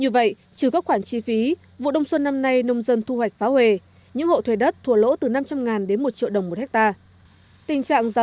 như vậy trừ các khoản chi phí vụ đông xuân năm nay nông dân thu hoạch phá hề những hộ thuê đất thua lỗ từ năm trăm linh đến một triệu đồng một hectare